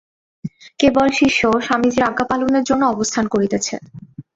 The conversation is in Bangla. কেবল শিষ্য স্বামীজীর আজ্ঞাপালনের জন্য অবস্থান করিতেছে।